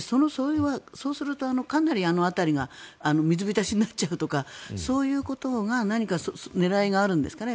そうすると、かなりあの辺りが水浸しになっちゃうとかそういうことが何か狙いがあるんですかね